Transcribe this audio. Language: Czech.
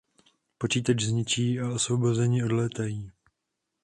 Počítač zničí a osvobozeni odlétají.